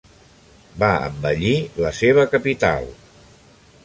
Va embellir la seva capital.